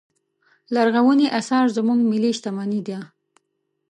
لرغوني اثار زموږ ملي شتمنې ده.